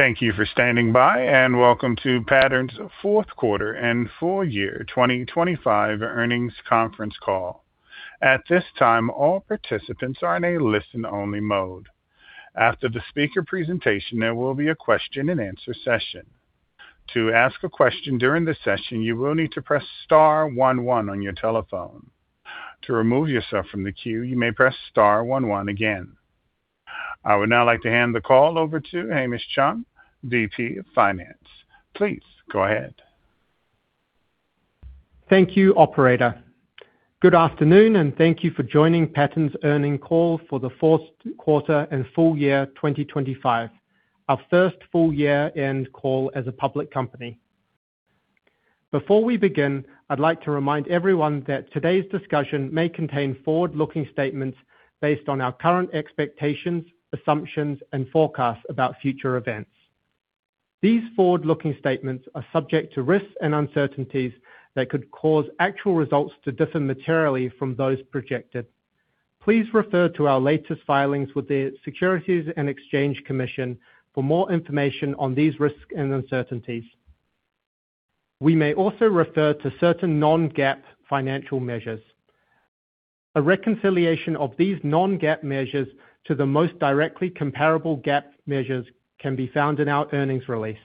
Thank you for standing by. Welcome to Pattern's fourth quarter and full year 2025 earnings conference call. At this time, all participants are in a listen only mode. After the speaker presentation, there will be a question and answer session. To ask a question during the session, you will need to press star one one on your telephone. To remove yourself from the queue, you may press star one one again. I would now like to hand the call over to Hamish Chung, VP of Finance. Please go ahead. Thank you, operator. Good afternoon, and thank you for joining Pattern's earnings call for the fourth quarter and full year 2025, our first full year end call as a public company. Before we begin, I'd like to remind everyone that today's discussion may contain forward-looking statements based on our current expectations, assumptions, and forecasts about future events. These forward-looking statements are subject to risks and uncertainties that could cause actual results to differ materially from those projected. Please refer to our latest filings with the Securities and Exchange Commission for more information on these risks and uncertainties. We may also refer to certain non-GAAP financial measures. A reconciliation of these non-GAAP measures to the most directly comparable GAAP measures can be found in our earnings release.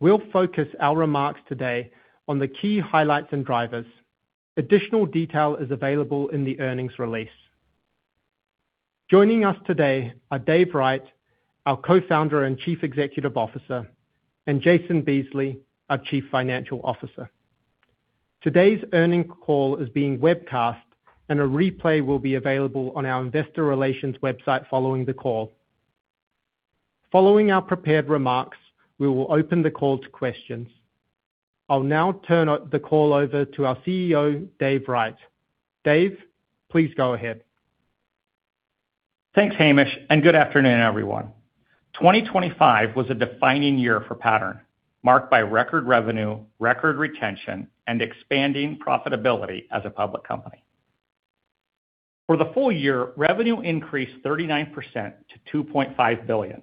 We'll focus our remarks today on the key highlights and drivers. Additional detail is available in the earnings release. Joining us today are Dave Wright, our Co-Founder and Chief Executive Officer, and Jason Beesley, our Chief Financial Officer. Today's earnings call is being webcast, and a replay will be available on our investor relations website following the call. Following our prepared remarks, we will open the call to questions. I'll now turn the call over to our CEO, Dave Wright. Dave, please go ahead. Thanks, Hamish. Good afternoon, everyone. 2025 was a defining year for Pattern, marked by record revenue, record retention, and expanding profitability as a public company. For the full year, revenue increased 39% to $2.5 billion.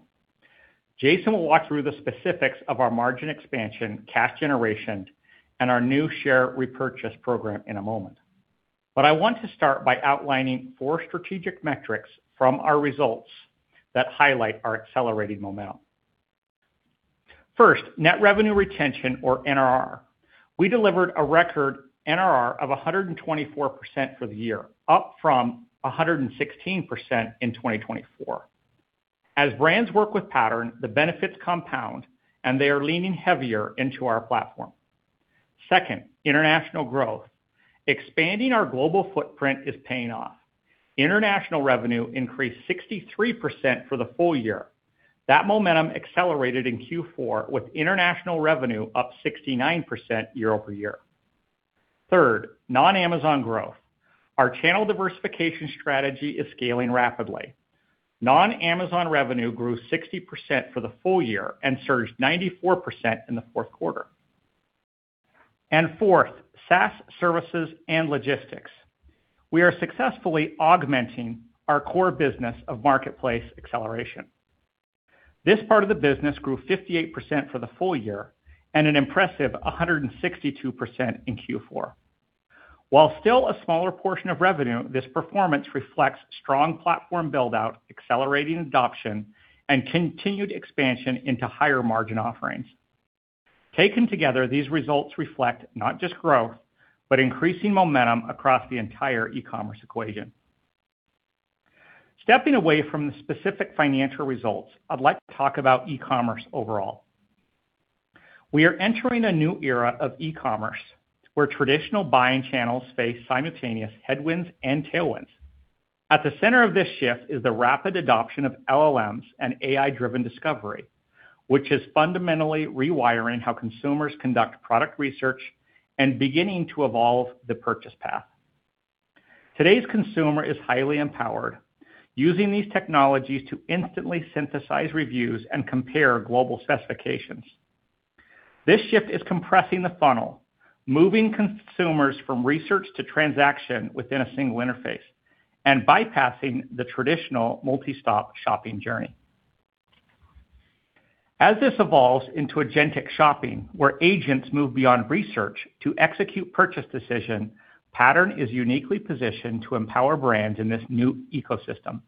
Jason will walk through the specifics of our margin expansion, cash generation, and our new share repurchase program in a moment. I want to start by outlining four strategic metrics from our results that highlight our accelerating momentum. First, net revenue retention or NRR. We delivered a record NRR of 124% for the year, up from 116% in 2024. As brands work with Pattern, the benefits compound. They are leaning heavier into our platform. Second, international growth. Expanding our global footprint is paying off. International revenue increased 63% for the full year. That momentum accelerated in Q4 with international revenue up 69% year-over-year. Third, non-Amazon growth. Our channel diversification strategy is scaling rapidly. Non-Amazon revenue grew 60% for the full year and surged 94% in the fourth quarter. Fourth, SaaS services and logistics. We are successfully augmenting our core business of marketplace acceleration. This part of the business grew 58% for the full year and an impressive 162% in Q4. While still a smaller portion of revenue, this performance reflects strong platform build-out, accelerating adoption, and continued expansion into higher margin offerings. Taken together, these results reflect not just growth, but increasing momentum across the entire e-commerce equation. Stepping away from the specific financial results, I'd like to talk about e-commerce overall. We are entering a new era of e-commerce, where traditional buying channels face simultaneous headwinds and tailwinds. At the center of this shift is the rapid adoption of LLMs and AI-driven discovery, which is fundamentally rewiring how consumers conduct product research and beginning to evolve the purchase path. Today's consumer is highly empowered, using these technologies to instantly synthesize reviews and compare global specifications. This shift is compressing the funnel, moving consumers from research to transaction within a single interface and bypassing the traditional multi-stop shopping journey. As this evolves into agentic shopping, where agents move beyond research to execute purchase decision, Pattern is uniquely positioned to empower brands in this new ecosystem.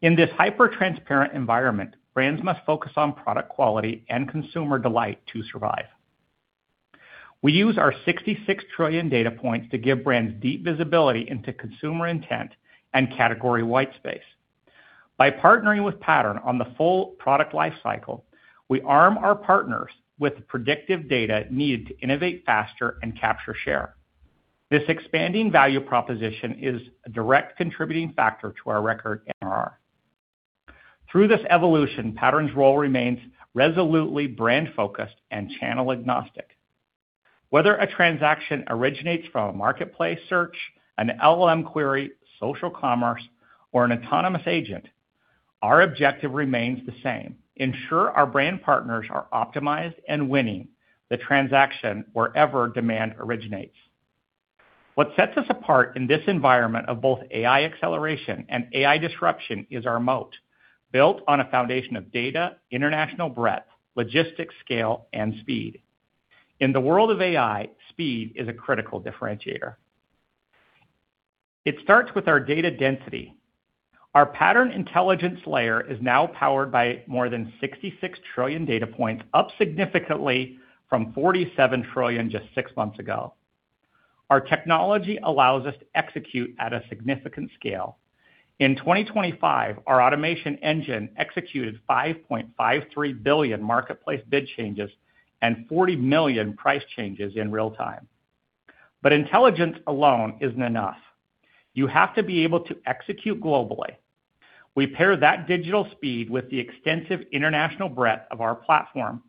In this hyper-transparent environment, brands must focus on product quality and consumer delight to survive. We use our 66 trillion data points to give brands deep visibility into consumer intent and category white space. By partnering with Pattern on the full product life cycle, we arm our partners with the predictive data needed to innovate faster and capture share. This expanding value proposition is a direct contributing factor to our record NRR. Through this evolution, Pattern's role remains resolutely brand-focused and channel agnostic. Whether a transaction originates from a marketplace search, an LLM query, social commerce, or an autonomous agent, our objective remains the same: ensure our brand partners are optimized and winning the transaction wherever demand originates. What sets us apart in this environment of both AI acceleration and AI disruption is our moat, built on a foundation of data, international breadth, logistics scale, and speed. In the world of AI, speed is a critical differentiator. It starts with our data density. Our Pattern Intelligence layer is now powered by more than 66 trillion data points, up significantly from 47 trillion just six months ago. Our technology allows us to execute at a significant scale. In 2025, our automation engine executed 5.53 billion marketplace bid changes and 40 million price changes in real time. Intelligence alone isn't enough. You have to be able to execute globally. We pair that digital speed with the extensive international breadth of our platform,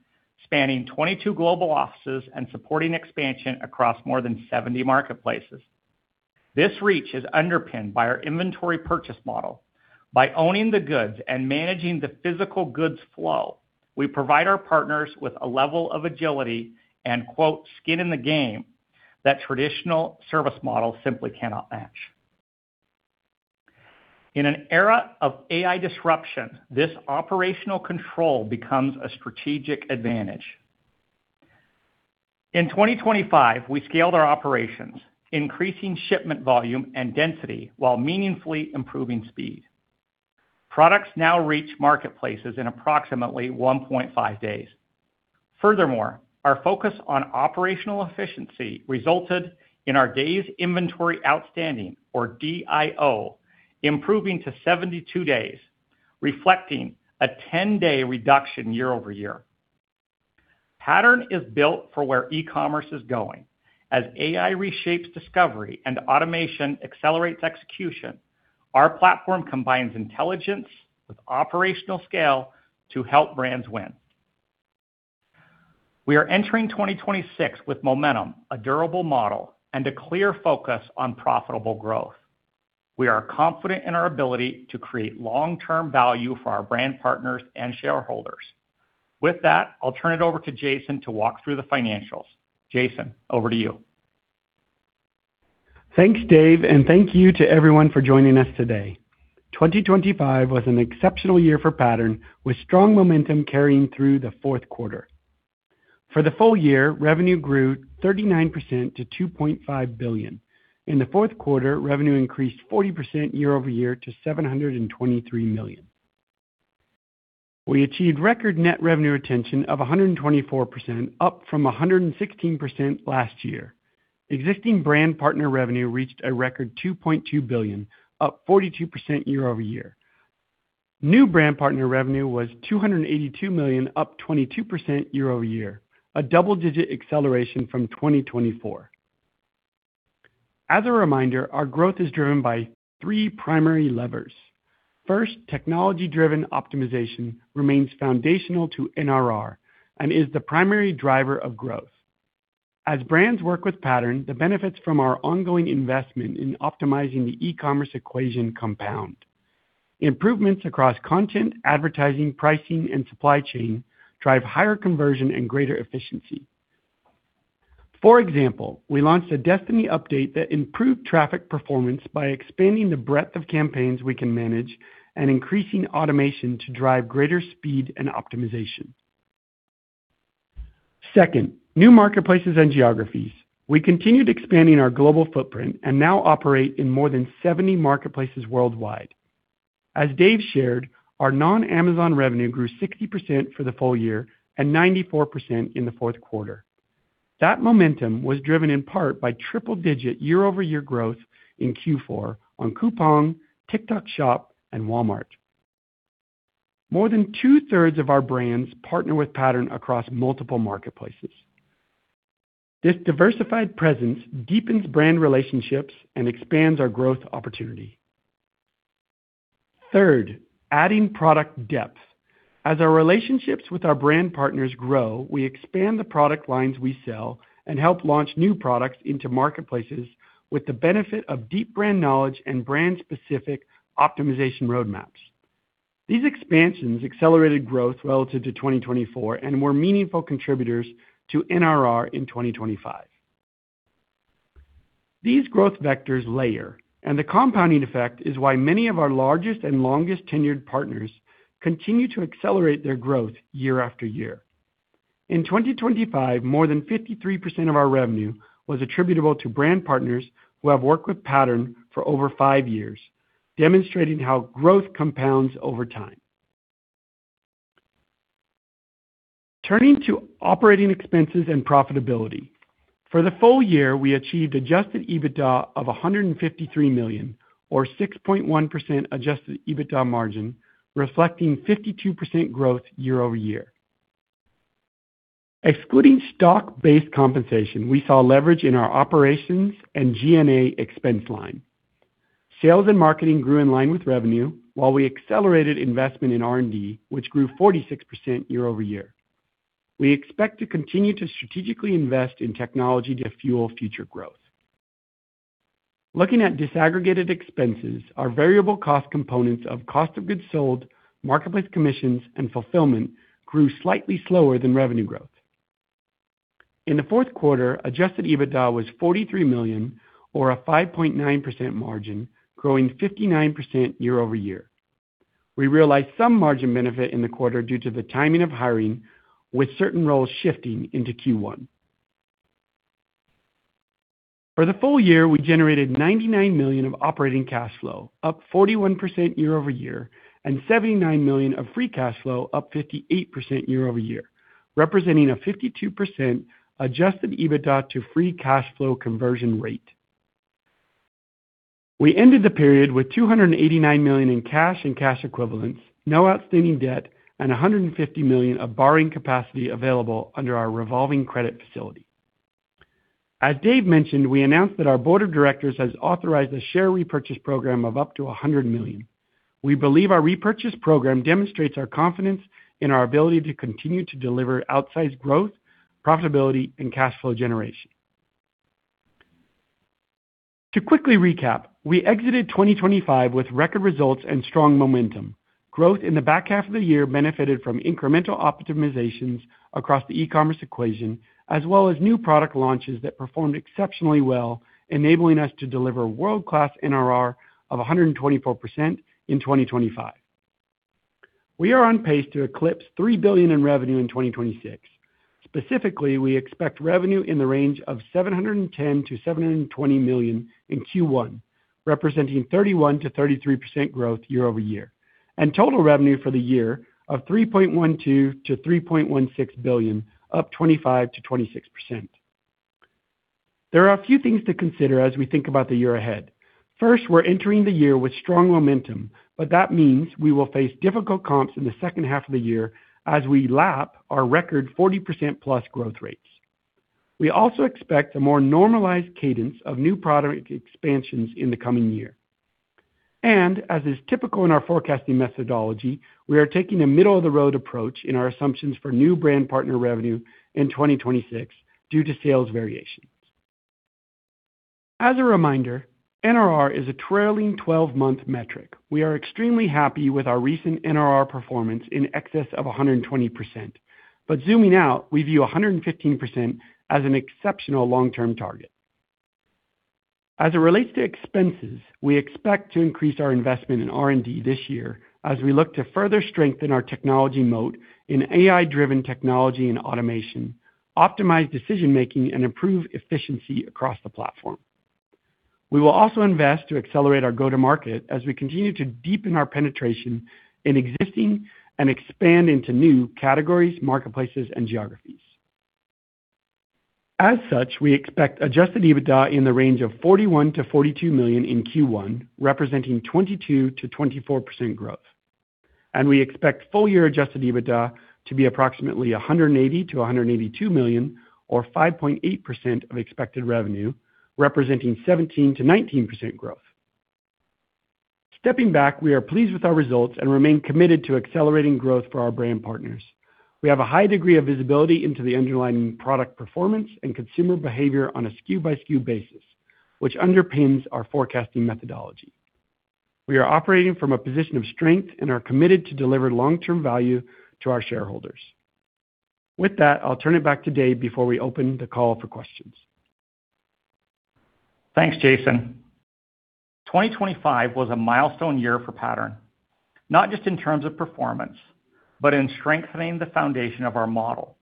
spanning 22 global offices and supporting expansion across more than 70 marketplaces. This reach is underpinned by our inventory purchase model. By owning the goods and managing the physical goods flow, we provide our partners with a level of agility and quote, "skin in the game" that traditional service models simply cannot match. In an era of AI disruption, this operational control becomes a strategic advantage. In 2025, we scaled our operations, increasing shipment volume and density while meaningfully improving speed. Products now reach marketplaces in approximately 1.5 days. Furthermore, our focus on operational efficiency resulted in our Days Inventory Outstanding, or DIO, improving to 72 days, reflecting a 10-day reduction year-over-year. Pattern is built for where e-commerce is going. As AI reshapes discovery and automation accelerates execution, our platform combines intelligence with operational scale to help brands win. We are entering 2026 with momentum, a durable model, and a clear focus on profitable growth. We are confident in our ability to create long-term value for our brand partners and shareholders. I'll turn it over to Jason to walk through the financials. Jason, over to you. Thanks, Dave. Thank you to everyone for joining us today. 2025 was an exceptional year for Pattern, with strong momentum carrying through the fourth quarter. For the full year, revenue grew 39% to $2.5 billion. In the fourth quarter, revenue increased 40% year-over-year to $723 million. We achieved record net revenue retention of 124%, up from 116% last year. Existing brand partner revenue reached a record $2.2 billion, up 42% year-over-year. New brand partner revenue was $282 million, up 22% year-over-year, a double-digit acceleration from 2024. As a reminder, our growth is driven by three primary levers. First, technology-driven optimization remains foundational to NRR and is the primary driver of growth. As brands work with Pattern, the benefits from our ongoing investment in optimizing the e-commerce equation compound. Improvements across content, advertising, pricing, and supply chain drive higher conversion and greater efficiency. For example, we launched a Destiny update that improved traffic performance by expanding the breadth of campaigns we can manage and increasing automation to drive greater speed and optimization. Second, new marketplaces and geographies. We continued expanding our global footprint and now operate in more than 70 marketplaces worldwide. As Dave shared, our non-Amazon revenue grew 60% for the full year and 94% in the fourth quarter. That momentum was driven in part by triple digit year-over-year growth in Q4 on Coupang, TikTok Shop, and Walmart. More than two-thirds of our brands partner with Pattern across multiple marketplaces. This diversified presence deepens brand relationships and expands our growth opportunity. Third, adding product depth. As our relationships with our brand partners grow, we expand the product lines we sell and help launch new products into marketplaces with the benefit of deep brand knowledge and brand specific optimization roadmaps. These expansions accelerated growth relative to 2024 and were meaningful contributors to NRR in 2025. The compounding effect is why many of our largest and longest-tenured partners continue to accelerate their growth year after year. In 2025, more than 53% of our revenue was attributable to brand partners who have worked with Pattern for over five years, demonstrating how growth compounds over time. Turning to operating expenses and profitability. For the full year, we achieved adjusted EBITDA of $153 million or 6.1% adjusted EBITDA margin, reflecting 52% growth year-over-year. Excluding stock-based compensation, we saw leverage in our operations and G&A expense line. Sales and marketing grew in line with revenue, while we accelerated investment in R&D, which grew 46% year-over-year. We expect to continue to strategically invest in technology to fuel future growth. Looking at disaggregated expenses, our variable cost components of cost of goods sold, marketplace commissions, and fulfillment grew slightly slower than revenue growth. In the fourth quarter, adjusted EBITDA was $43 million, or a 5.9% margin, growing 59% year-over-year. We realized some margin benefit in the quarter due to the timing of hiring, with certain roles shifting into Q1. For the full year, we generated $99 million of operating cash flow, up 41% year-over-year, and $79 million of free cash flow, up 58% year-over-year, representing a 52% adjusted EBITDA to free cash flow conversion rate. We ended the period with $289 million in cash and cash equivalents, no outstanding debt, and $150 million of borrowing capacity available under our revolving credit facility. As Dave mentioned, we announced that our board of directors has authorized a share repurchase program of up to $100 million. We believe our repurchase program demonstrates our confidence in our ability to continue to deliver outsized growth, profitability, and cash flow generation. To quickly recap, we exited 2025 with record results and strong momentum. Growth in the back half of the year benefited from incremental optimizations across the e-commerce equation, as well as new product launches that performed exceptionally well, enabling us to deliver world-class NRR of 124% in 2025. We are on pace to eclipse $3 billion in revenue in 2026. Specifically, we expect revenue in the range of $710 million-$720 million in Q1, representing 31%-33% growth year-over-year, and total revenue for the year of $3.12 billion-$3.16 billion, up 25%-26%. There are a few things to consider as we think about the year ahead. First, we're entering the year with strong momentum, but that means we will face difficult comps in the second half of the year as we lap our record 40%+ growth rates. We also expect a more normalized cadence of new product expansions in the coming year. As is typical in our forecasting methodology, we are taking a middle-of-the-road approach in our assumptions for new brand partner revenue in 2026 due to sales variations. As a reminder, NRR is a trailing 12-month metric. We are extremely happy with our recent NRR performance in excess of 120%. Zooming out, we view 115% as an exceptional long-term target. As it relates to expenses, we expect to increase our investment in R&D this year as we look to further strengthen our technology moat in AI-driven technology and automation, optimize decision-making, and improve efficiency across the platform. We will also invest to accelerate our go-to-market as we continue to deepen our penetration in existing and expand into new categories, marketplaces, and geographies. As such, we expect adjusted EBITDA in the range of $41 million-$42 million in Q1, representing 22%-24% growth. We expect full year adjusted EBITDA to be approximately $180 million-$182 million or 5.8% of expected revenue, representing 17%-19% growth. Stepping back, we are pleased with our results and remain committed to accelerating growth for our brand partners. We have a high degree of visibility into the underlying product performance and consumer behavior on a SKU by SKU basis, which underpins our forecasting methodology. We are operating from a position of strength and are committed to deliver long-term value to our shareholders. With that, I'll turn it back to Dave before we open the call for questions. Thanks, Jason. 2025 was a milestone year for Pattern, not just in terms of performance, but in strengthening the foundation of our model.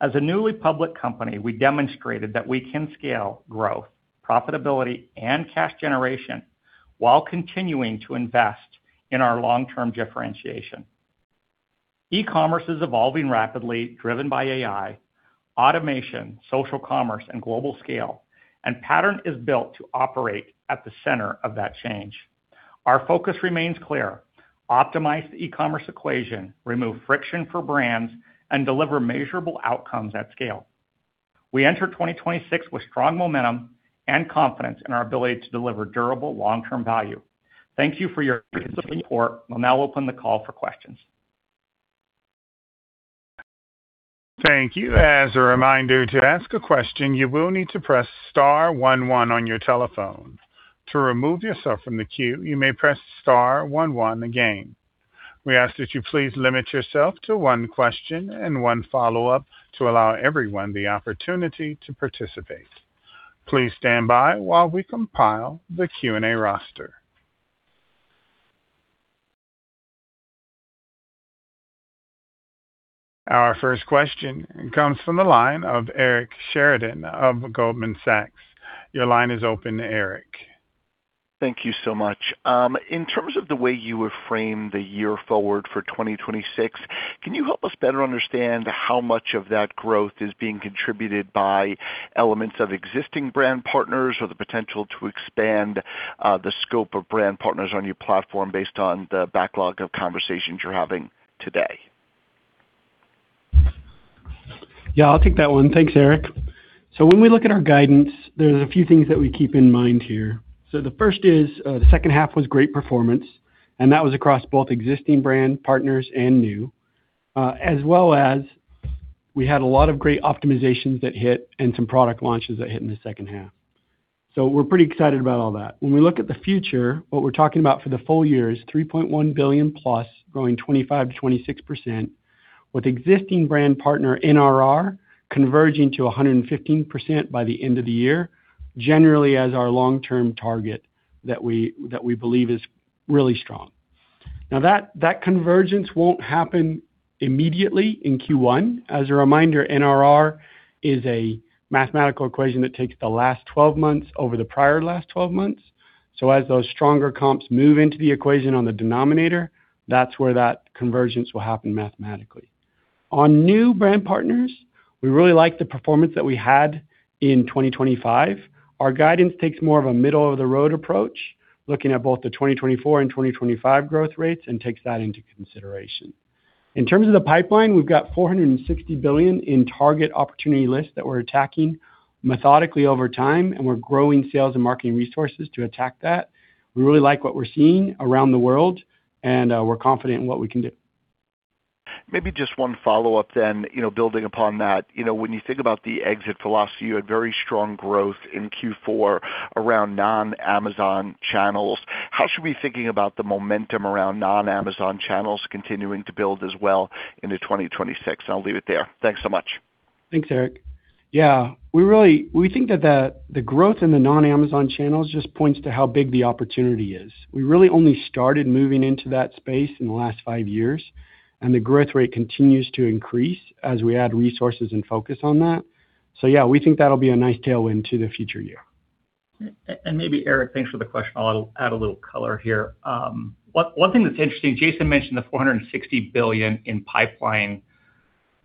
As a newly public company, we demonstrated that we can scale growth, profitability, and cash generation while continuing to invest in our long-term differentiation. E-commerce is evolving rapidly, driven by AI, automation, social commerce, and global scale, and Pattern is built to operate at the center of that change. Our focus remains clear: optimize the e-commerce equation, remove friction for brands, and deliver measurable outcomes at scale. We enter 2026 with strong momentum and confidence in our ability to deliver durable long-term value. Thank you for your support. We'll now open the call for questions. Thank you. As a reminder, to ask a question, you will need to press star one one on your telephone. To remove yourself from the queue, you may press star one one again. We ask that you please limit yourself to one question and one follow-up to allow everyone the opportunity to participate. Please stand by while we compile the Q&A roster. Our first question comes from the line of Eric Sheridan of Goldman Sachs. Your line is open, Eric. Thank you so much. In terms of the way you would frame the year forward for 2026, can you help us better understand how much of that growth is being contributed by elements of existing brand partners or the potential to expand the scope of brand partners on your platform based on the backlog of conversations you're having today? Yeah, I'll take that one. Thanks, Eric. When we look at our guidance, there's a few things that we keep in mind here. The first is, the second half was great performance, and that was across both existing brand partners and new. We had a lot of great optimizations that hit and some product launches that hit in the second half. We're pretty excited about all that. When we look at the future, what we're talking about for the full year is $3.1 billion+ growing 25%-26%, with existing brand partner NRR converging to 115% by the end of the year, generally as our long-term target that we believe is really strong. That convergence won't happen immediately in Q1. As a reminder, NRR is a mathematical equation that takes the last 12 months over the prior 12 months. As those stronger comps move into the equation on the denominator, that's where that convergence will happen mathematically. On new brand partners, we really like the performance that we had in 2025. Our guidance takes more of a middle-of-the-road approach, looking at both the 2024 and 2025 growth rates and takes that into consideration. In terms of the pipeline, we've got $460 billion in target opportunity lists that we're attacking methodically over time, and we're growing sales and marketing resources to attack that. We really like what we're seeing around the world, and we're confident in what we can do. Maybe just one follow-up then, you know, building upon that. You know, when you think about the exit philosophy, you had very strong growth in Q4 around non-Amazon channels. How should we be thinking about the momentum around non-Amazon channels continuing to build as well into 2026? I'll leave it there. Thanks so much. Thanks, Eric. Yeah, we really think that the growth in the non-Amazon channels just points to how big the opportunity is. We really only started moving into that space in the last five years, and the growth rate continues to increase as we add resources and focus on that. Yeah, we think that'll be a nice tailwind to the future year. Maybe Eric, thanks for the question. I'll add a little color here. One thing that's interesting, Jason mentioned the $460 billion in pipeline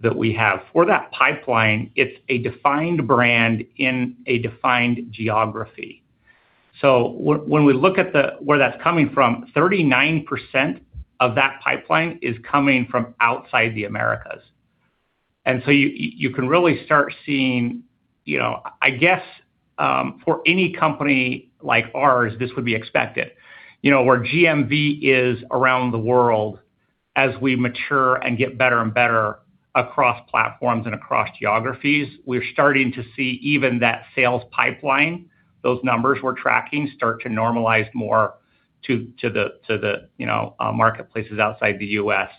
that we have. For that pipeline, it's a defined brand in a defined geography. When we look at the where that's coming from, 39% of that pipeline is coming from outside the Americas. You can really start seeing, you know. I guess, for any company like ours, this would be expected. You know, where GMV is around the world as we mature and get better and better across platforms and across geographies, we're starting to see even that sales pipeline, those numbers we're tracking start to normalize more to the, you know, marketplaces outside the U.S.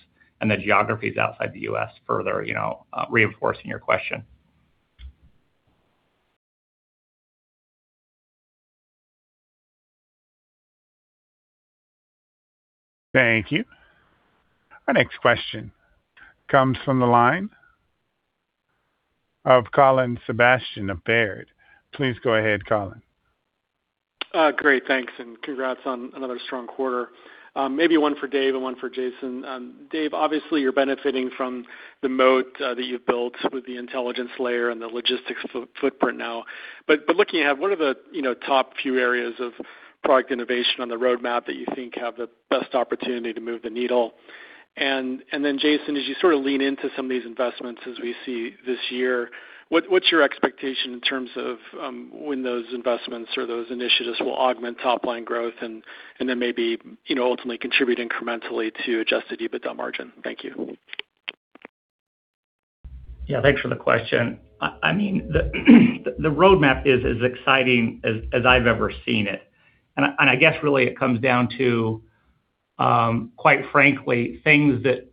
and the geographies outside the U.S. further, you know, reinforcing your question. Thank you. Our next question comes from the line of Colin Sebastian of Baird. Please go ahead, Colin. Great. Thanks, and congrats on another strong quarter. Maybe one for Dave and one for Jason. Dave, obviously you're benefiting from the moat that you've built with the intelligence layer and the logistics footprint now. Looking ahead, what are the, you know, top few areas of product innovation on the roadmap that you think have the best opportunity to move the needle? Then Jason, as you sort of lean into some of these investments as we see this year, what's your expectation in terms of when those investments or those initiatives will augment top-line growth and then maybe, you know, ultimately contribute incrementally to adjusted EBITDA margin? Thank you. Yeah. Thanks for the question. I mean, the roadmap is as exciting as I've ever seen it. I guess really it comes down to, quite frankly, things that,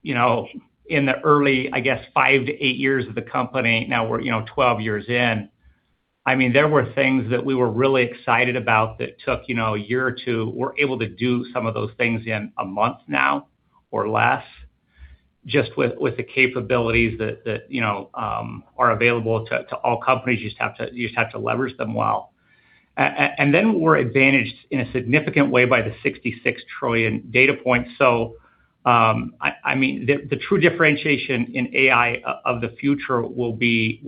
you know, in the early, I guess, five to eight years of the company, now we're, you know, 12 years in. I mean, there were things that we were really excited about that took, you know, a year or two. We're able to do some of those things in a month now or less just with the capabilities that, you know, are available to all companies. You just have to leverage them well. And then we're advantaged in a significant way by the 66 trillion data points. I mean, the true differentiation in AI of the future will be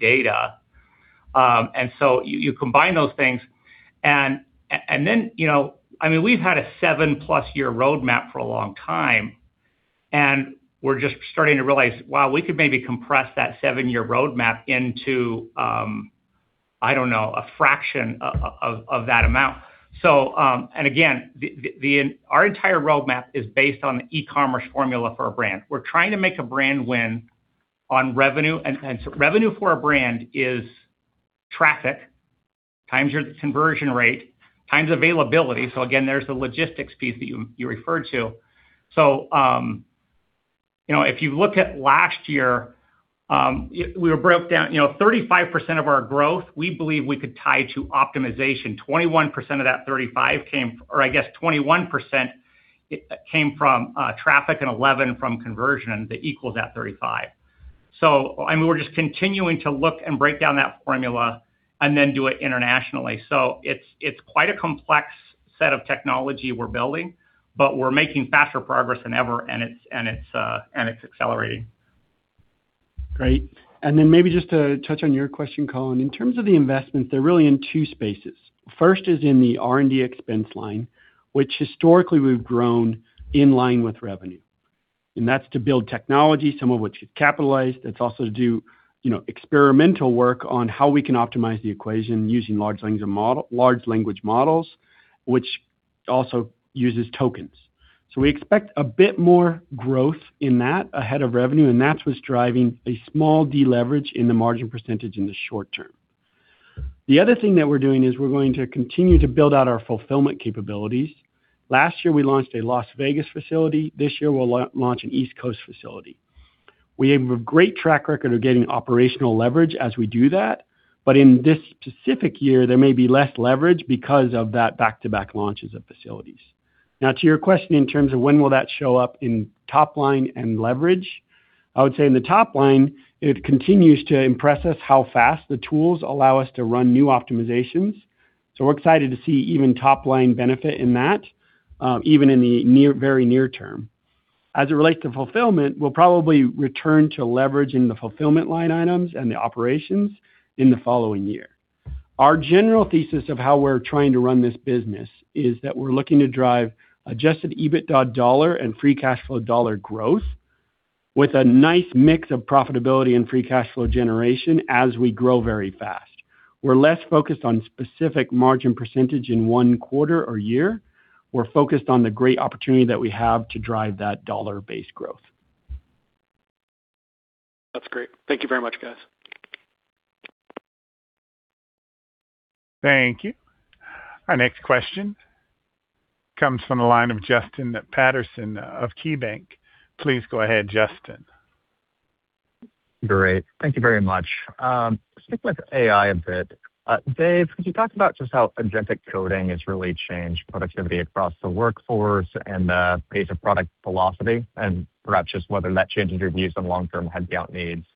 data. You, you combine those things and then, you know. I mean, we've had a 7+ year roadmap for a long time, and we're just starting to realize, wow, we could maybe compress that seven-year roadmap into, I don't know, a fraction of that amount. Again, the, our entire roadmap is based on the e-commerce formula for a brand. We're trying to make a brand win on revenue. Revenue for a brand is traffic times your conversion rate, times availability. Again, there's the logistics piece that you referred to. You know, if you look at last year, we broke down, you know, 35% of our growth, we believe we could tie to optimization, 21% of that 35 came. I guess 21% came from traffic and 11% from conversion. That equals that 35%. I mean, we're just continuing to look and break down that formula and then do it internationally. It's quite a complex set of technology we're building, but we're making faster progress than ever and it's accelerating. Great. Maybe just to touch on your question, Colin. In terms of the investments, they're really in two spaces. First is in the R&D expense line, which historically we've grown in line with revenue. That's to build technology, some of which is capitalized. That's also to do, you know, experimental work on how we can optimize the equation using large language models, which also uses tokens. We expect a bit more growth in that ahead of revenue, and that's what's driving a small deleverage in the margin percentage in the short term. The other thing that we're doing is we're going to continue to build out our fulfillment capabilities. Last year, we launched a Las Vegas facility. This year, we'll launch an East Coast facility. We have a great track record of getting operational leverage as we do that. In this specific year, there may be less leverage because of that back-to-back launches of facilities. To your question, in terms of when will that show up in top line and leverage, I would say in the top line, it continues to impress us how fast the tools allow us to run new optimizations. We're excited to see even top line benefit in that, even in the very near term. As it relates to fulfillment, we'll probably return to leveraging the fulfillment line items and the operations in the following year. Our general thesis of how we're trying to run this business is that we're looking to drive adjusted EBITDA dollar and free cash flow dollar growth with a nice mix of profitability and free cash flow generation as we grow very fast. We're less focused on specific margin % in one quarter or year. We're focused on the great opportunity that we have to drive that dollar-based growth. That's great. Thank you very much, guys. Thank you. Our next question comes from the line of Justin Patterson of KeyBanc. Please go ahead, Justin. Great. Thank you very much. Stick with AI a bit. Dave, could you talk about just how agentic coding has really changed productivity across the workforce and the pace of product velocity, and perhaps just whether that changes your views on long-term headcount needs.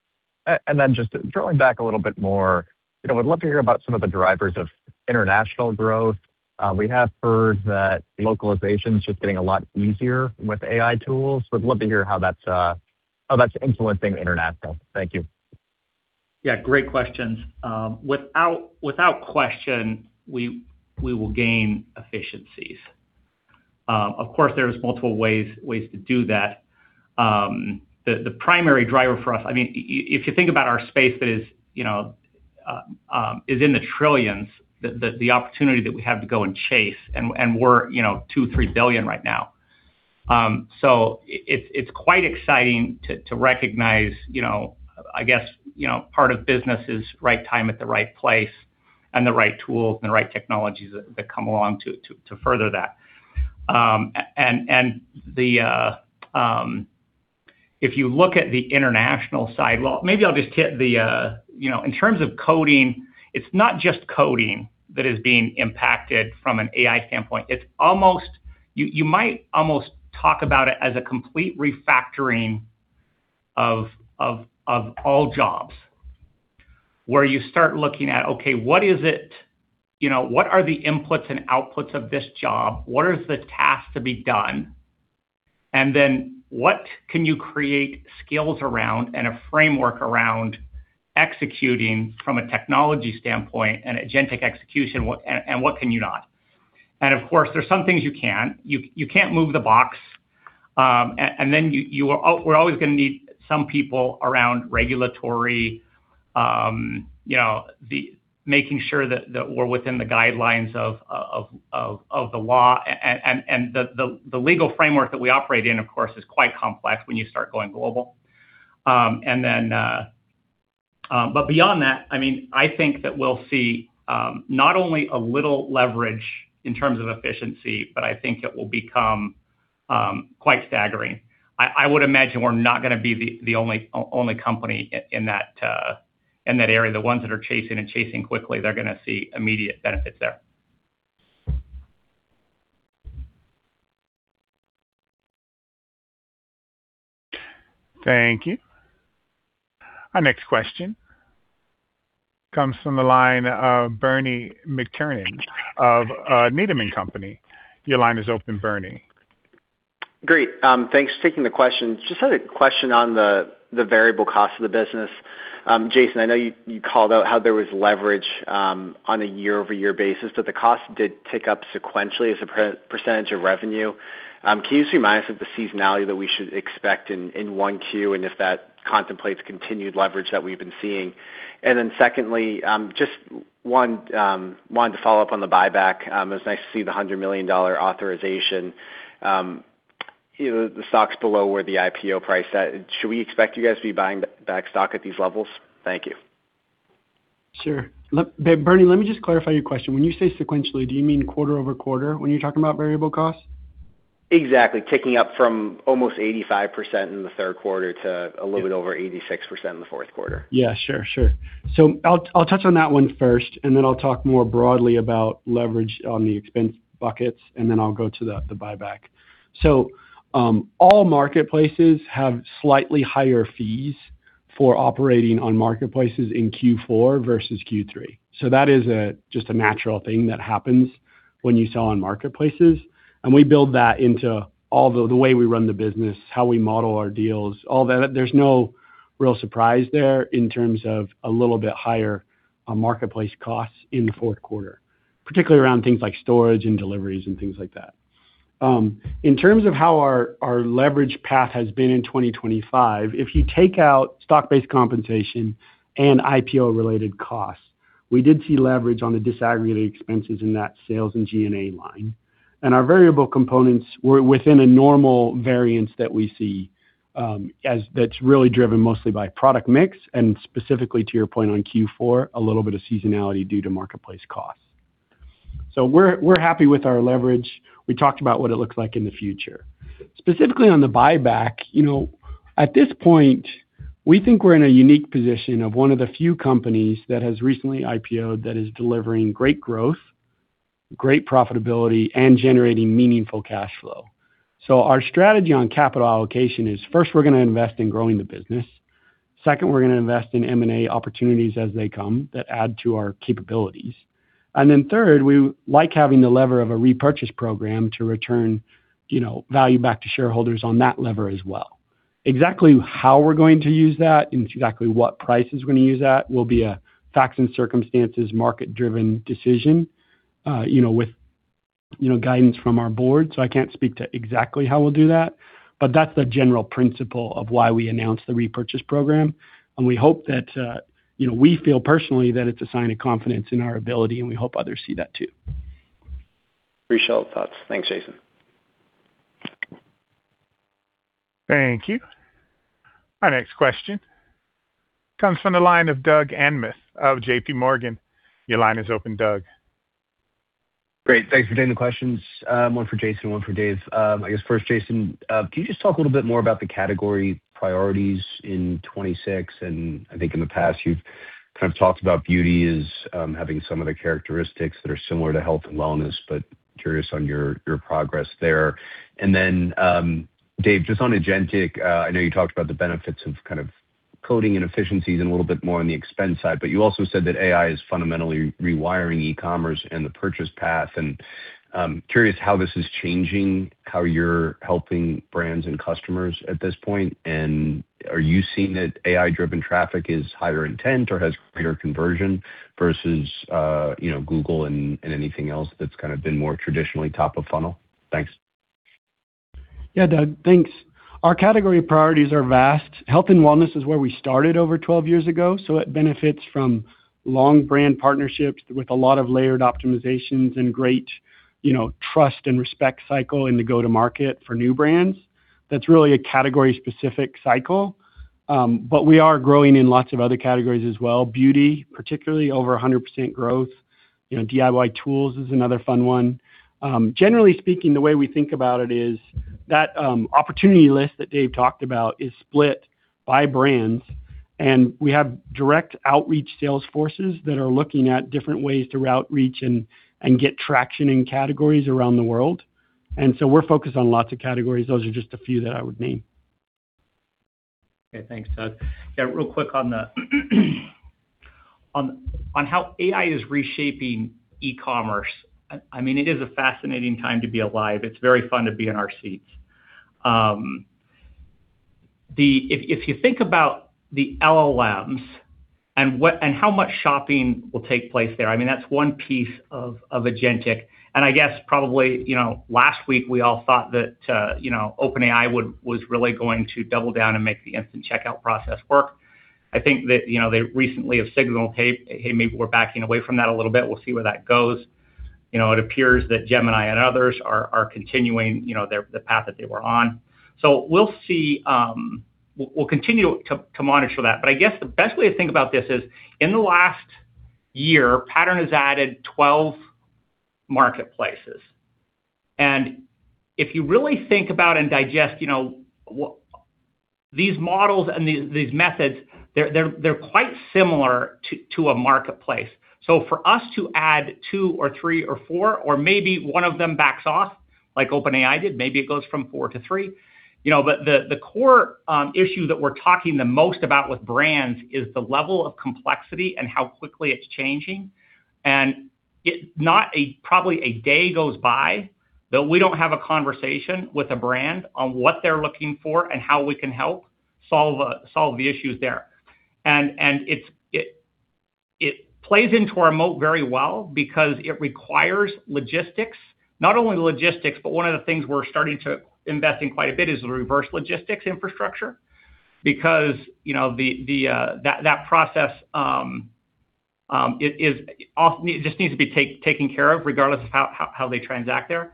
Then just drilling back a little bit more, you know, I'd love to hear about some of the drivers of international growth. We have heard that localization is just getting a lot easier with AI tools. We'd love to hear how that's, how that's influencing international. Thank you. Yeah, great questions. Without question, we will gain efficiencies. Of course, there's multiple ways to do that. The primary driver for us, I mean, if you think about our space that is, you know, is in the trillions, the opportunity that we have to go and chase and we're, you know, $2 billion-$3 billion right now. It's quite exciting to recognize, you know, I guess, you know, part of business is right time at the right place and the right tools and the right technologies that come along to further that. The, if you look at the international side. Well, maybe I'll just hit the, you know, in terms of coding, it's not just coding that is being impacted from an AI standpoint. It's almost. You might almost talk about it as a complete refactoring of all jobs, where you start looking at, okay, what is it? You know, what are the inputs and outputs of this job? What is the task to be done? Then what can you create skills around and a framework around executing from a technology standpoint and agentic execution, and what can you not? Of course, there's some things you can't. You can't move the box. And then you, we're always gonna need some people around regulatory, you know, making sure that we're within the guidelines of the law and the legal framework that we operate in, of course, is quite complex when you start going global. Beyond that, I mean, I think that we'll see not only a little leverage in terms of efficiency, but I think it will become quite staggering. I would imagine we're not gonna be the only company in that area. The ones that are chasing and chasing quickly, they're gonna see immediate benefits there. Thank you. Our next question comes from the line of Bernie McTernan of Needham & Company. Your line is open, Bernie. Great. Thanks for taking the question. Just had a question on the variable cost of the business. Jason, I know you called out how there was leverage on a year-over-year basis, but the cost did tick up sequentially as a per-% of revenue. Can you just remind us of the seasonality that we should expect in 1Q and if that contemplates continued leverage that we've been seeing? Secondly, just one to follow up on the buyback. It was nice to see the $100 million authorization. You know, the stock's below where the IPO price is at. Should we expect you guys to be buying back stock at these levels? Thank you. Sure. Bernie, let me just clarify your question. When you say sequentially, do you mean quarter-over-quarter when you're talking about variable costs? Exactly. Ticking up from almost 85% in the third quarter to a little bit over 86% in the fourth quarter. Yeah, sure. I'll touch on that one first, and then I'll talk more broadly about leverage on the expense buckets, and then I'll go to the buyback. All marketplaces have slightly higher fees for operating on marketplaces in Q4 versus Q3. That is a, just a natural thing that happens when you sell on marketplaces. We build that into all the way we run the business, how we model our deals, all that. There's no real surprise there in terms of a little bit higher marketplace costs in the fourth quarter, particularly around things like storage and deliveries and things like that. In terms of how our leverage path has been in 2025, if you take out stock-based compensation and IPO related costs, we did see leverage on the disaggregated expenses in that sales and G&A line. Our variable components were within a normal variance that we see, as that's really driven mostly by product mix and specifically to your point on Q4, a little bit of seasonality due to marketplace costs. We're happy with our leverage. We talked about what it looks like in the future. Specifically on the buyback, you know, at this point, we think we're in a unique position of one of the few companies that has recently IPO'd that is delivering great growth, great profitability, and generating meaningful cash flow. Our strategy on capital allocation is, first, we're gonna invest in growing the business. Second, we're gonna invest in M&A opportunities as they come that add to our capabilities. Third, we like having the lever of a repurchase program to return, you know, value back to shareholders on that lever as well. Exactly how we're going to use that and exactly what price is gonna use that will be a facts and circumstances, market-driven decision, you know, with, you know, guidance from our board. I can't speak to exactly how we'll do that. But that's the general principle of why we announced the repurchase program. We hope that, you know, we feel personally that it's a sign of confidence in our ability, and we hope others see that too. Appreciate those thoughts. Thanks, Jason. Thank you. Our next question comes from the line of Doug Anmuth of J.P. Morgan. Your line is open, Doug. Great. Thanks for taking the questions. One for Jason, one for Dave. I guess first, Jason, can you just talk a little bit more about the category priorities in 2026? I think in the past, you've kind of talked about beauty as having some of the characteristics that are similar to health and wellness, but curious on your progress there. Then, Dave, just on agentic, I know you talked about the benefits of kind of coding and efficiencies and a little bit more on the expense side, but you also said that AI is fundamentally rewiring e-commerce and the purchase path. Curious how this is changing, how you're helping brands and customers at this point. Are you seeing that AI-driven traffic is higher intent or has greater conversion versus, you know, Google and anything else that's kinda been more traditionally top of funnel? Thanks. Yeah, Doug. Thanks. Our category priorities are vast. Health and wellness is where we started over 12 years ago, so it benefits from long brand partnerships with a lot of layered optimizations and great, you know, trust and respect cycle in the go-to-market for new brands. That's really a category-specific cycle. We are growing in lots of other categories as well. Beauty, particularly over 100% growth. You know, DIY tools is another fun one. Generally speaking, the way we think about it is that opportunity list that Dave talked about is split by brands, and we have direct outreach sales forces that are looking at different ways to outreach and get traction in categories around the world. We're focused on lots of categories. Those are just a few that I would name. Okay, thanks, Doug. Yeah, real quick on the on how AI is reshaping e-commerce. I mean, it is a fascinating time to be alive. It's very fun to be in our seats. If you think about the LLMs and how much shopping will take place there, I mean, that's one piece of agentic. I guess probably, you know, last week we all thought that, you know, OpenAI was really going to double down and make the instant checkout process work. I think that, you know, they recently have signaled, "Hey, hey, maybe we're backing away from that a little bit." We'll see where that goes. You know, it appears that Gemini and others are continuing, you know, the path that they were on. We'll see, we'll continue to monitor that. I guess the best way to think about this is, in the last year, Pattern has added 12 marketplaces. If you really think about and digest, you know, these models and these methods, they're quite similar to a marketplace. For us to add two or three or four, or maybe one of them backs off like OpenAI did, maybe it goes from four to three. You know, the core issue that we're talking the most about with brands is the level of complexity and how quickly it's changing. Not a, probably a day goes by that we don't have a conversation with a brand on what they're looking for and how we can help solve the issues there. It plays into our moat very well because it requires logistics. Not only logistics, but one of the things we're starting to invest in quite a bit is the reverse logistics infrastructure. Because, you know, that process, it just needs to be taken care of regardless of how they transact there.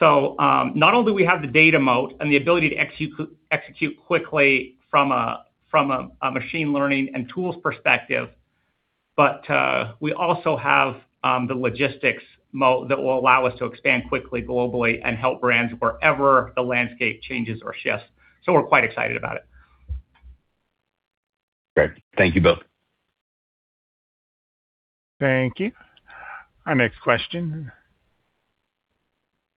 Not only do we have the data moat and the ability to execute quickly from a machine learning and tools perspective, but we also have the logistics moat that will allow us to expand quickly globally and help brands wherever the landscape changes or shifts. We're quite excited about it. Great. Thank you both. Thank you. Our next question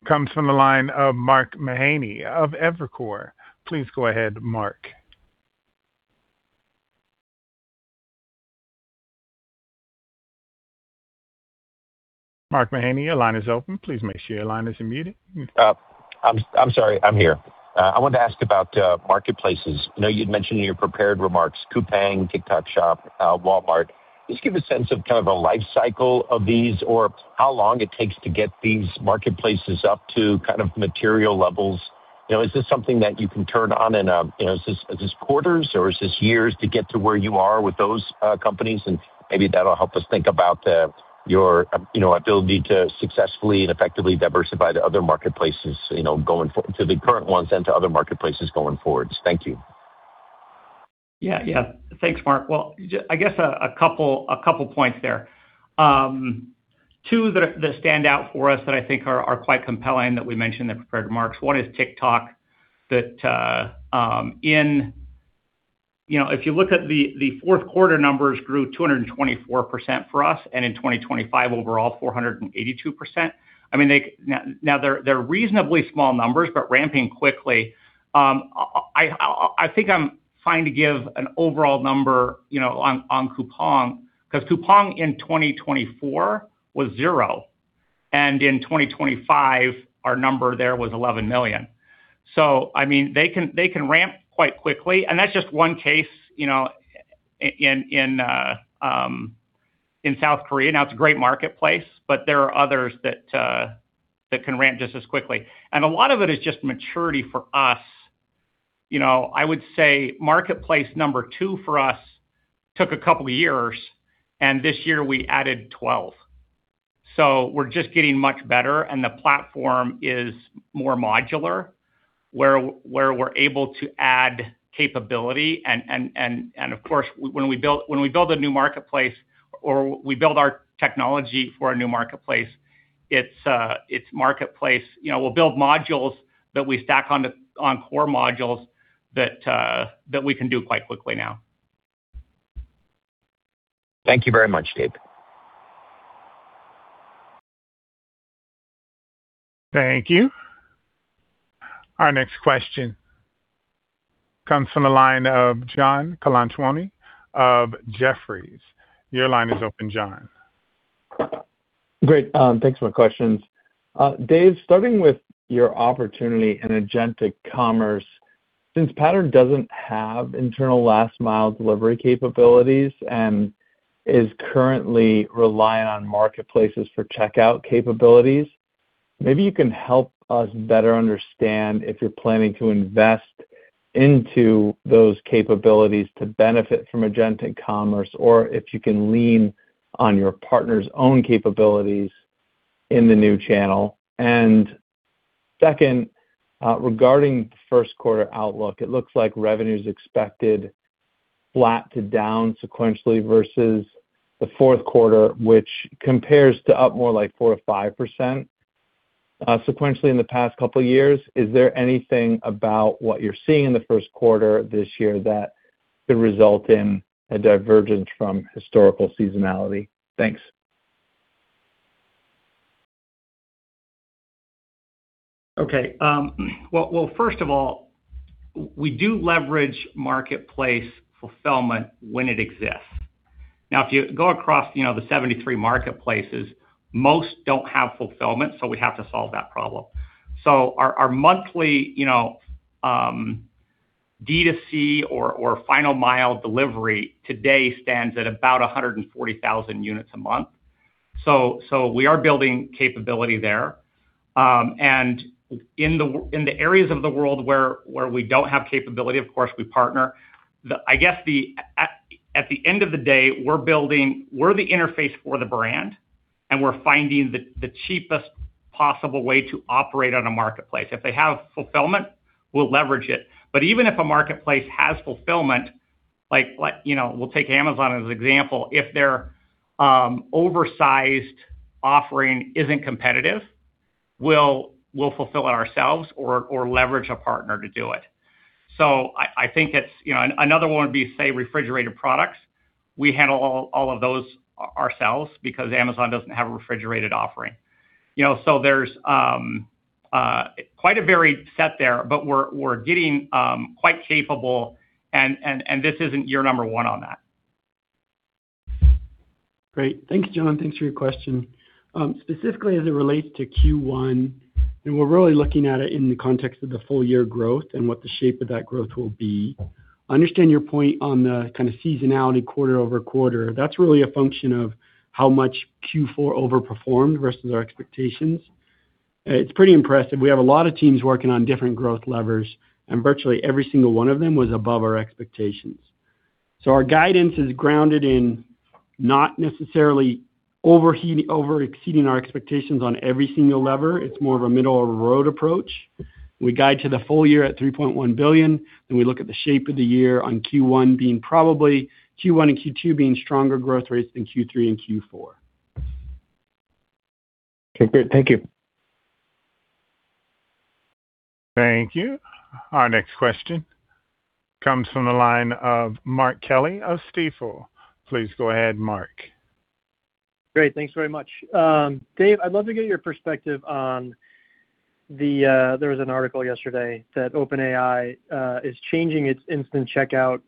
comes from the line of Mark Mahaney of Evercore. Please go ahead, Mark. Mark Mahaney, your line is open. Please make sure your line isn't muted. I'm sorry. I'm here. I wanted to ask about marketplaces. I know you'd mentioned in your prepared remarks, Coupang, TikTok Shop, Walmart. Can you just give a sense of kind of a life cycle of these or how long it takes to get these marketplaces up to kind of material levels? You know, is this something that you can turn on in a, you know, is this quarters or is this years to get to where you are with those companies? Maybe that'll help us think about your, you know, ability to successfully and effectively diversify to other marketplaces, you know, going to the current ones and to other marketplaces going forwards. Thank you. Yeah. Yeah. Thanks, Mark. I guess a couple points there. Two that stand out for us that I think are quite compelling that we mentioned in the prepared remarks, one is TikTok. You know, if you look at the fourth quarter numbers grew 224% for us, and in 2025 overall, 482%. I mean, now they're reasonably small numbers, but ramping quickly. I think I'm fine to give an overall number, you know, on Coupang, 'cause Coupang in 2024 was 0. In 2025, our number there was $11 million. I mean, they can ramp quite quickly, and that's just one case, you know, in South Korea. Now it's a great marketplace. There are others that can ramp just as quickly. A lot of it is just maturity for us. You know, I would say marketplace number two for us took a couple of years, and this year we added 12. We're just getting much better, and the platform is more modular, where we're able to add capability and of course, when we build a new marketplace or we build our technology for a new marketplace, it's marketplace. You know, we'll build modules that we stack on core modules that we can do quite quickly now. Thank you very much, Dave. Thank you. Our next question comes from the line of John Colantuoni of Jefferies. Your line is open, John. Great. Thanks for the questions. Dave, starting with your opportunity in agentic commerce, since Pattern doesn't have internal last mile delivery capabilities and is currently relying on marketplaces for checkout capabilities, maybe you can help us better understand if you're planning to invest into those capabilities to benefit from agentic commerce or if you can lean on your partner's own capabilities in the new channel. Second, regarding first quarter outlook, it looks like revenue is expected flat to down sequentially versus the fourth quarter, which compares to up more like 4%-5% sequentially in the past couple of years. Is there anything about what you're seeing in the first quarter this year that could result in a divergence from historical seasonality? Thanks. First of all, we do leverage marketplace fulfillment when it exists. If you go across, you know, the 73 marketplaces, most don't have fulfillment. We have to solve that problem. Our monthly, you know, D2C or final mile delivery today stands at about 140,000 units a month. We are building capability there. In the areas of the world where we don't have capability, of course, we partner. I guess the, at the end of the day, we're the interface for the brand. We're finding the cheapest possible way to operate on a marketplace. If they have fulfillment, we'll leverage it. Even if a marketplace has fulfillment, like, you know, we'll take Amazon as an example, if their oversized offering isn't competitive, we'll fulfill it ourselves or leverage a partner to do it. I think it's, you know. Another one would be, say, refrigerated products. We handle all of those ourselves because Amazon doesn't have a refrigerated offering. You know, so there's quite a varied set there, but we're getting quite capable and this isn't year number one on that. Great. Thanks, John. Thanks for your question. Specifically as it relates to Q1, we're really looking at it in the context of the full year growth and what the shape of that growth will be. Understand your point on the kind of seasonality quarter-over-quarter. That's really a function of how much Q4 overperformed versus our expectations. It's pretty impressive. We have a lot of teams working on different growth levers, and virtually every single one of them was above our expectations. Our guidance is grounded in not necessarily over-exceeding our expectations on every single lever. It's more of a middle of the road approach. We guide to the full year at $3.1 billion. We look at the shape of the year on Q1 being probably Q1 and Q2 being stronger growth rates than Q3 and Q4. Okay, great. Thank you. Thank you. Our next question comes from the line of Mark Kelley of Stifel. Please go ahead, Mark. Great. Thanks very much. Dave, I'd love to get your perspective on the, there was an article yesterday that OpenAI is changing its instant checkout,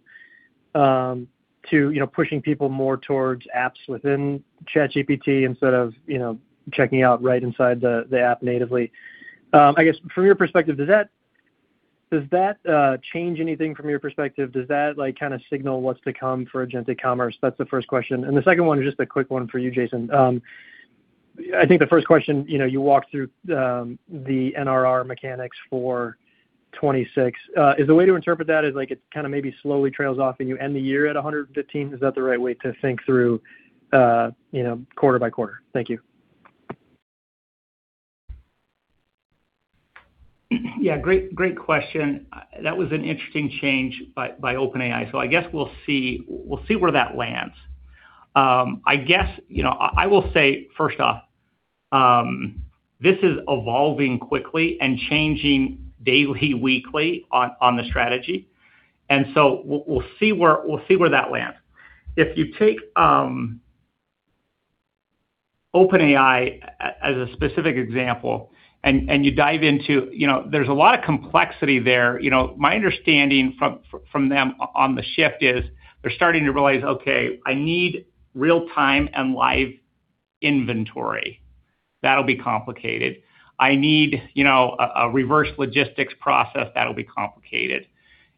to, you know, pushing people more towards apps within ChatGPT instead of, you know, checking out right inside the app natively. I guess from your perspective, does that, does that change anything from your perspective? Does that, like, kinda signal what's to come for agentic commerce? That's the first question. The second one is just a quick one for you, Jason. I think the first question, you know, you walked through the NRR mechanics for 2026. Is the way to interpret that is like it kind of maybe slowly trails off and you end the year at 115%? Is that the right way to think through, you know, quarter by quarter? Thank you. Yeah, great question. That was an interesting change by OpenAI. I guess we'll see where that lands. I guess, you know, I will say, first off, this is evolving quickly and changing daily, weekly on the strategy. We'll see where that lands. If you take OpenAI as a specific example, and you dive into. You know, there's a lot of complexity there. You know, my understanding from them on the shift is they're starting to realize, okay, I need real-time and live inventory. That'll be complicated. I need, you know, a reverse logistics process. That'll be complicated.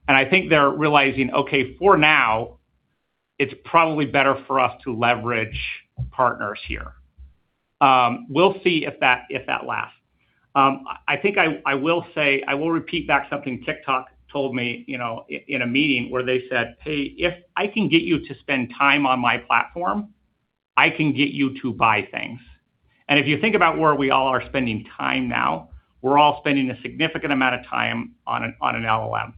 I think they're realizing, okay, for now, it's probably better for us to leverage partners here. We'll see if that lasts. I think I will say. I will repeat back something TikTok told me, you know, in a meeting where they said, "Hey, if I can get you to spend time on my platform, I can get you to buy things." If you think about where we all are spending time now, we're all spending a significant amount of time on an LLM.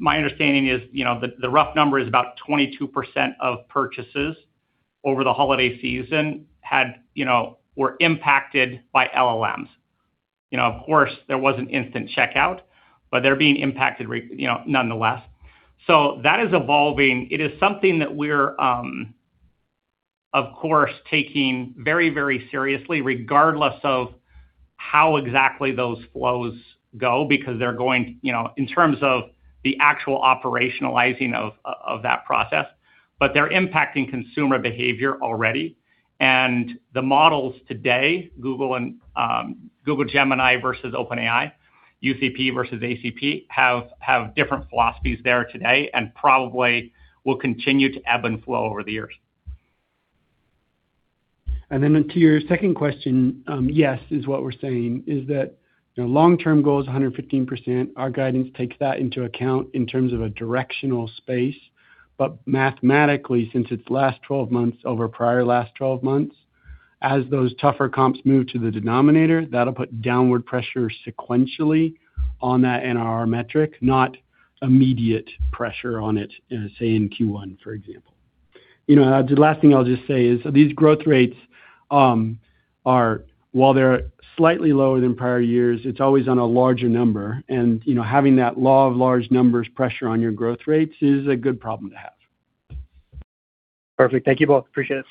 My understanding is, you know, the rough number is about 22% of purchases over the holiday season had, you know, were impacted by LLMs. You know, of course, there was an instant checkout, but they're being impacted, you know, nonetheless. That is evolving. It is something that we're, of course, taking very, very seriously, regardless of how exactly those flows go, because they're going, you know, in terms of the actual operationalizing of that process, but they're impacting consumer behavior already. The models today, Google and Google Gemini versus OpenAI, UCP versus ACP, have different philosophies there today and probably will continue to ebb and flow over the years. To your second question, yes, is what we're saying, is that, you know, long-term goal is 115%. Our guidance takes that into account in terms of a directional space. Mathematically, since it's last 12 months over prior last 12 months, as those tougher comps move to the denominator, that'll put downward pressure sequentially on that NRR metric, not immediate pressure on it, say, in Q1, for example. You know, the last thing I'll just say is these growth rates are, while they're slightly lower than prior years, it's always on a larger number. You know, having that law of large numbers pressure on your growth rates is a good problem to have. Perfect. Thank you both. Appreciate it.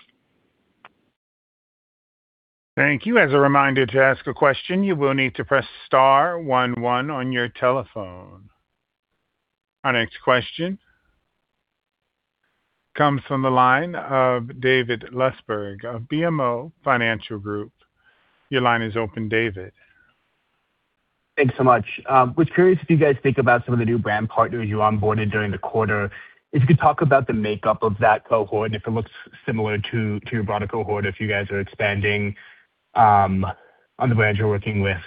Thank you. As a reminder, to ask a question, you will need to press star one one on your telephone. Our next question comes from the line of David Lustberg of BMO Financial Group. Your line is open, David. Thanks so much. Was curious if you guys think about some of the new brand partners you onboarded during the quarter? If you could talk about the makeup of that cohort, if it looks similar to your broader cohort, if you guys are expanding on the brands you're working with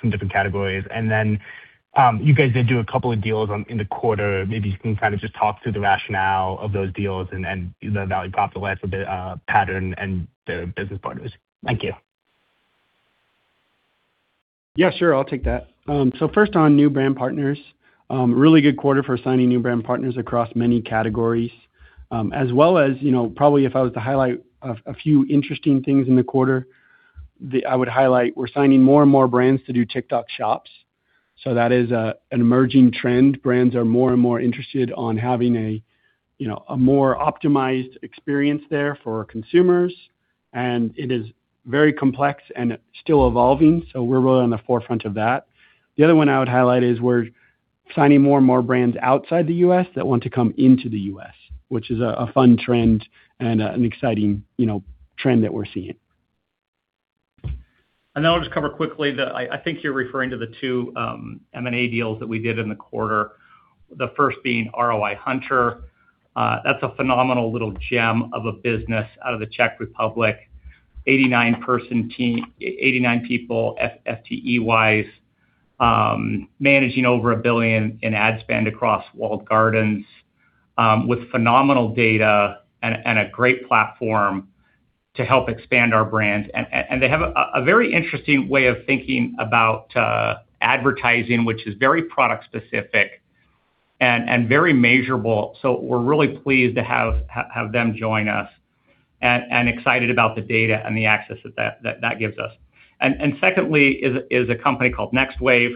from different categories? You guys did do a couple of deals in the quarter. Maybe you can kind of just talk through the rationale of those deals and the value prop, the life of the Pattern and the business partners? Thank you. Yeah, sure. I'll take that. First on new brand partners, really good quarter for signing new brand partners across many categories. As well as, you know, probably if I was to highlight a few interesting things in the quarter, I would highlight we're signing more and more brands to do TikTok Shop. That is an emerging trend. Brands are more and more interested on having a, you know, a more optimized experience there for consumers, and it is very complex and still evolving. We're really on the forefront of that. The other one I would highlight is we're signing more and more brands outside the U.S. that want to come into the U.S., which is a fun trend and an exciting, you know, trend that we're seeing. I'll just cover quickly I think you're referring to the two M&A deals that we did in the quarter. The first being ROI Hunter. That's a phenomenal little gem of a business out of the Czech Republic. 89 people, FTE-wise, managing over $1 billion in ad spend across walled gardens, with phenomenal data and a great platform to help expand our brands. They have a very interesting way of thinking about advertising, which is very product-specific and very measurable. We're really pleased to have them join us and excited about the data and the access that gives us. Secondly is a company called NextWave.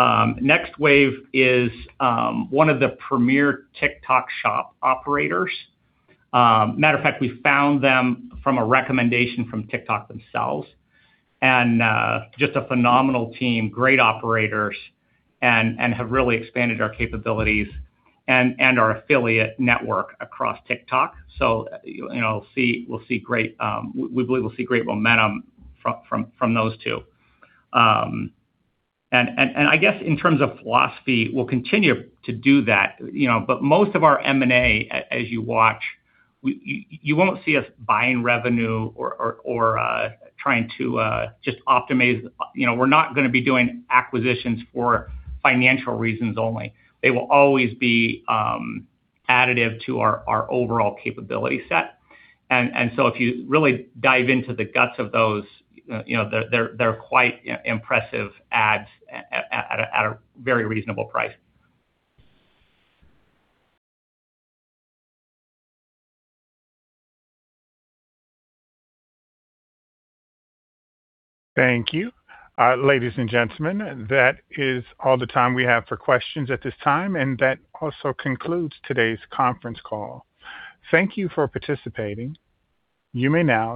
NextWave is one of the premier TikTok Shop operators. matter of fact, we found them from a recommendation from TikTok themselves. Just a phenomenal team, great operators, and have really expanded our capabilities and our affiliate network across TikTok. You know, we'll see, we'll see great, we believe we'll see great momentum from those two. I guess in terms of philosophy, we'll continue to do that, you know. Most of our M&A, as you watch, you won't see us buying revenue or trying to just optimize. You know, we're not gonna be doing acquisitions for financial reasons only. They will always be additive to our overall capability set. If you really dive into the guts of those, you know, they're quite impressive adds at a very reasonable price. Thank you. ladies and gentlemen, that is all the time we have for questions at this time. That also concludes today's conference call. Thank you for participating. You may now.